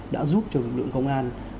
đã giúp cho lực lượng công an